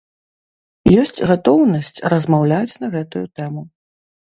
Ёсць гатоўнасць размаўляць на гэтую тэму.